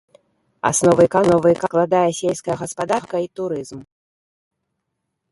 Аснову эканомікі складае сельская гаспадарка і турызм.